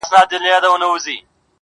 چي مخامخ په څېر د ستورو وي رڼاوي پاشي